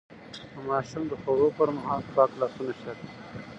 د ماشوم د خوړو مهال پاک لاسونه شرط دي.